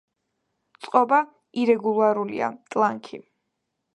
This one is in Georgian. წყობა ირეგულარულია, ტლანქი.